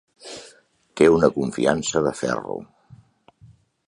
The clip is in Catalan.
Té una confiança de ferro.